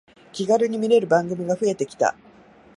気軽に見れる番組が増えてきた